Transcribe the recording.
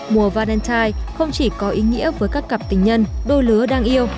mùa valentine không chỉ có ý nghĩa với các cặp tình nhân đôi lứa đang yêu